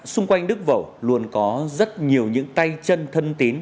xung quanh đức vẩu luôn có rất nhiều những tay chân thân tín